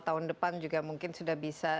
tahun depan juga mungkin sudah bisa